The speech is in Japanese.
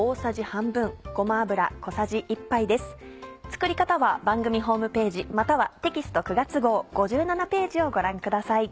作り方は番組ホームページまたはテキスト９月号５７ページをご覧ください。